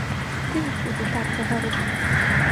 Ды нікуды, так, за гару.